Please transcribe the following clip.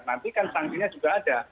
nanti kan sanksinya juga ada